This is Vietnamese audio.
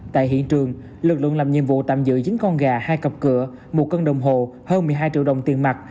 tại hiện trường lực lượng làm nhiệm vụ tạm giữ chín con gà hai cặp cửa một cân đồng hồ hơn một mươi hai triệu đồng tiền mặt